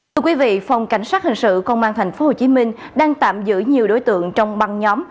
thưa quý vị phòng cảnh sát hình sự công an tp hcm đang tạm giữ nhiều đối tượng trong băng nhóm